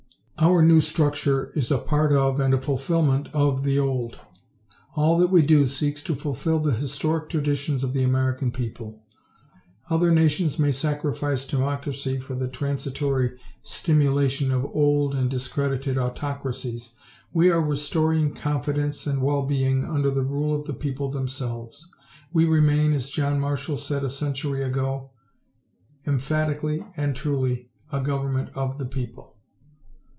Our new structure is a part of and a fulfillment of the old. All that we do seeks to fulfill the historic traditions of the American people. Other nations may sacrifice democracy for the transitory stimulation of old and discredited autocracies. We are restoring confidence and well being under the rule of the people themselves. We remain, as John Marshall said a century ago, "emphatically and truly, a government of the people."